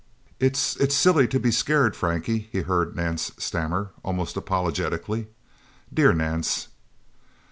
"It's it's silly to be so scared, Frankie..." he heard Nance stammer almost apologetically. Dear Nance...